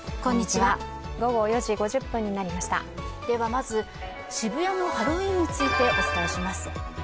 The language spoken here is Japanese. まず、渋谷のハロウィーンについてお伝えします。